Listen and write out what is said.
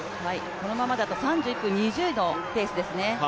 このままでと３１分２０のペースですね。